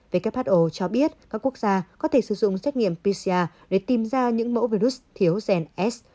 who cho biết các quốc gia có thể sử dụng xét nghiệm pcr để tìm ra những mẫu virus thiếu gens